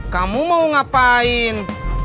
kamu mau ngapain